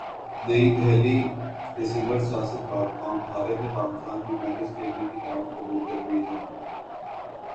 نئی دہلی دسمبر Siasat dot com Bharat نے پاکستان میں میچز کھیلنے کی دعوت قبول کر لی ہے